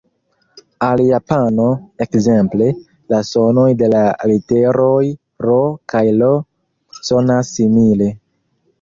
Al japano, ekzemple, la sonoj de la literoj R kaj L sonas simile.